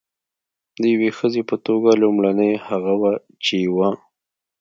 د یوې ښځې په توګه لومړنۍ هغه وه چې یوه.